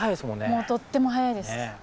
もうとっても早いです。